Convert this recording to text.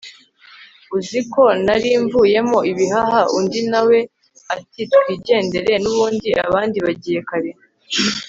uziko narimvuyemo ibihaha! undi nawe ati twingendere nubundi abandi bagiye kare